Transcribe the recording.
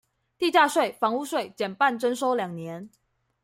地價稅、房屋稅減半徵收兩年